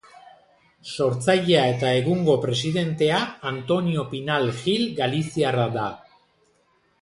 Sortzailea eta egungo presidentea Antonio Pinal Gil galiziarra da.